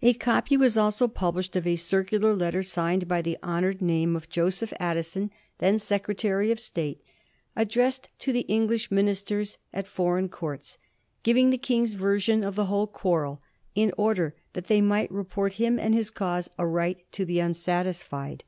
A copy was also published of a circular letter signed by the honored name of Joseph Addison, then Sec retary of State, addressed to the English ministers at for eign courts, giving the King's version of the whole quar rel, in order that they might report him and his cause aright to the unsatisfied.